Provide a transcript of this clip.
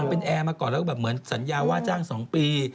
เป็นแอร์มาก่อนแล้วก็แบบเหมือนสัญญาว่าจ้าง๒ปี